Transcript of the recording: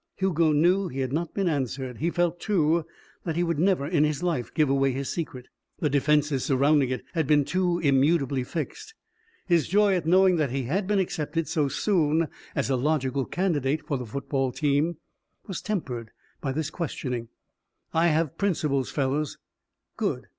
Hugo knew he had not been answered. He felt, too, that he would never in his life give away his secret. The defences surrounding it had been too immutably fixed. His joy at knowing that he had been accepted so soon as a logical candidate for the football team was tempered by this questioning. "I have principles, fellows." "Good."